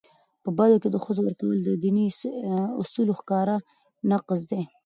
په بدو کي د ښځو ورکول د دیني اصولو ښکاره نقض دی.